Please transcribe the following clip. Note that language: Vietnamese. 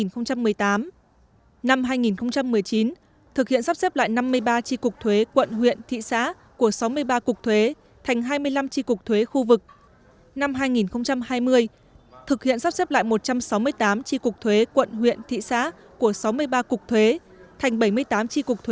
cụ thể từ nay đến cuối năm hai nghìn một mươi chín thực hiện sắp xếp lại năm mươi ba tri cục thuế quận huyện thị xã thuộc sáu mươi ba cục thuế thành hai mươi năm tri cục thuế khu vực hoàn thành trước ngày một tháng chín năm hai nghìn một mươi tám